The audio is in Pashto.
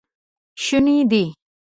شونی دی